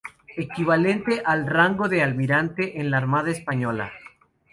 Equivalente al rango de almirante en la Armada española.